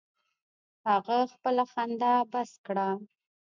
هغه خپله خندا بس کړه.